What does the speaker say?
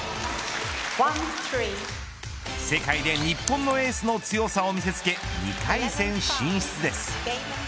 世界で日本のエースの強さを見せつけ２回戦進出です。